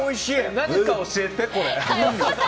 何か教えて、これ。